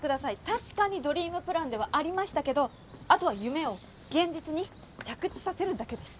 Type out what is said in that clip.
確かにドリームプランではありましたけど後は夢を現実に着地させるだけです。